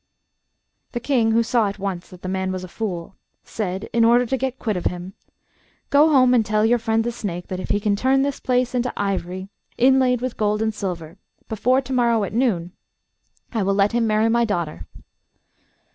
The King, who saw at once that the man was a fool, said, in order to get quit of him, 'Go home and tell your friend the snake that if he can turn this palace into ivory, inlaid with gold and silver, before to morrow at noon, I will let him marry my daughter.